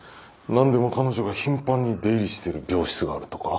何でも彼女が頻繁に出入りしてる病室があるとか。